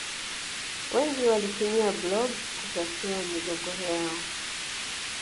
Wengi walitumia blob kutatua migogoro yao